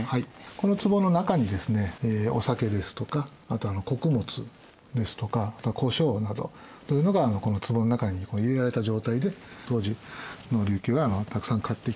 このつぼの中にですねお酒ですとかあとは穀物ですとか胡椒などというのがこのつぼの中に入れられた状態で当時の琉球はたくさん買ってきて沖縄に持って帰ってくる。